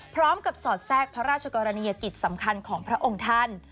สอดแทรกพระราชกรณียกิจสำคัญของพระองค์ท่าน